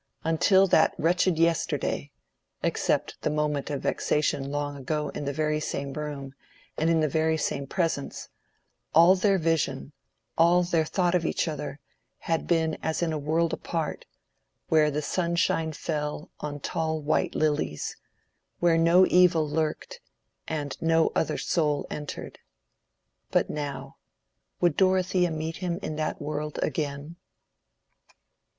Until that wretched yesterday—except the moment of vexation long ago in the very same room and in the very same presence—all their vision, all their thought of each other, had been as in a world apart, where the sunshine fell on tall white lilies, where no evil lurked, and no other soul entered. But now—would Dorothea meet him in that world again?